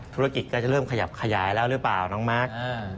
ธุรกิจก็จะเริ่มขยับขยายแล้วหรือเปล่าน้องมาร์ค